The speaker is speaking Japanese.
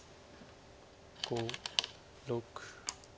５６。